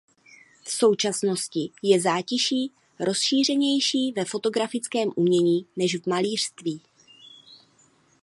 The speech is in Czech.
V současnosti je zátiší rozšířenější ve fotografickém umění než v malířství.